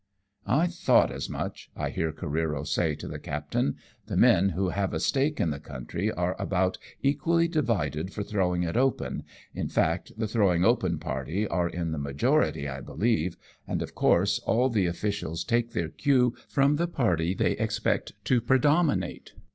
" I thought as much," I hear Careero say to the captain ;" the men who have a stake in the country are about equally divided for throwing it open, in fact the throwing open party are in the majority, I believe, and, of course, all the officials take their cue from the party they expect to predominate."